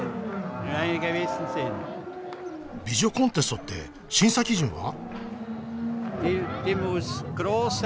美女コンテストって審査基準は？